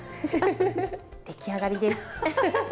出来上がりです。